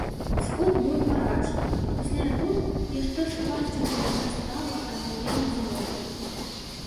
Сход быў гарачы, і пасля яго яшчэ шпарчэй пайшла справа аднаўлення завода.